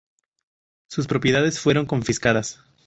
Sus propiedades fueron confiscadas.